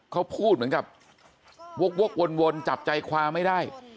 เขาพูดเหมือนกับวกวนจับใจความไม่ได้